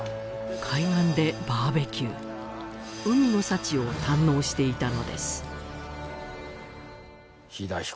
海岸で海の幸を堪能していたのです樋田